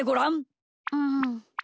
うん。